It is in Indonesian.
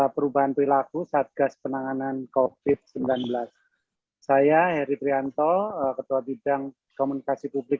perubahan perilaku satgas penanganan kofit sembilan belas saya heri trianto ketua bidang komunikasi publik